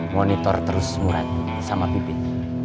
monitor terus murad sama pipit